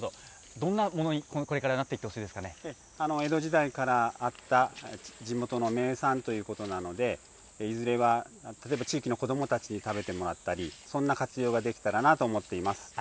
どんなものにこれ江戸時代からあった地元の名産ということなので、いずれは例えば地域の子どもたちに食べてもらったり、そんな活用ができたらなと思っています。